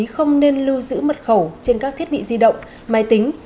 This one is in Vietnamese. không nên lưu giữ mật khẩu trên các thiết bị di động máy tính